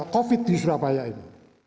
covid di surabaya ini